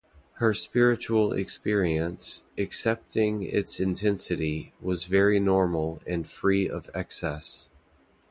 Her spiritual experience, excepting its intensity, was very normal and free of excess.